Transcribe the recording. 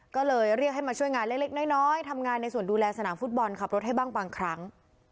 ก็เลยเรียกให้มาช่วยงานเล็กน้อยทำงานในส่วนดูแลสนามฟุตบอลขับรถให้บ้างบางครั้ง